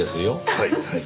はいはい。